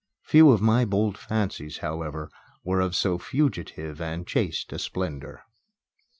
Few of my bold fancies, however, were of so fugitive and chaste a splendor.